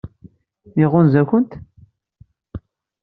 Iɣunza-kent?